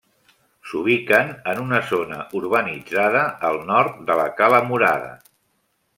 S'ubiquen en una zona urbanitzada, al nord de la Cala Murada.